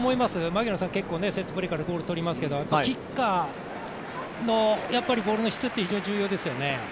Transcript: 牧野さん、セットプレーからゴール結構取りますけども、キッカーのボールの質って非常に重要ですよね。